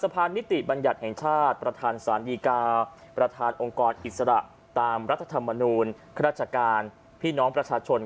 ประธานองค์กรอิสระตามรัฐธรรมนุนข้าราชการพี่น้องประชาชน